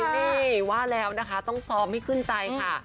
นี่ว่าแล้วนะคะต้องซ้อมให้ขึ้นใจค่ะ